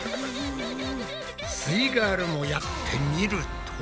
すイガールもやってみると。